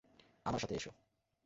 আমার সাথে এস।